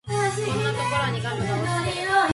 こんなところにガムが落ちてる